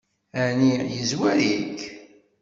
Ɛni yezwar-ik?